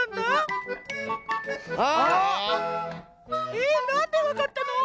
えなんでわかったの？